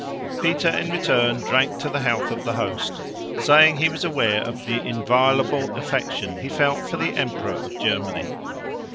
Peter, in return, drank to the health of the host, saying he was aware of the inviolable affection he felt for the Emperor of Germany.